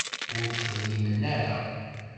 Ur t-texdimen ara.